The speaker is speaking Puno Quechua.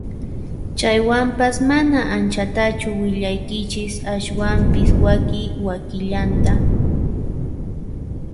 Chaywanpas mana anchatachu willaykichis ashwampis waki wakillanta